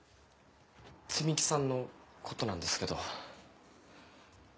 摘木さんのことなんですけど。